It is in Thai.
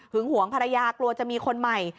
หวงภรรยากลัวจะมีคนใหม่